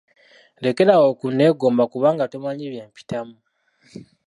Lekera awo okunneegomba kubanga tomanyi bye mpitamu.